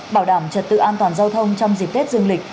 bảo đảm trật tự an toàn giao thông trong dịp tết dương lịch